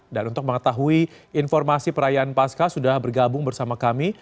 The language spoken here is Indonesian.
dan untuk mengetahui informasi perayaan pascah sudah bergabung bersama kami